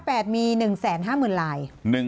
ปี๕๘มี๑๕๐๐๐๐๐ลาย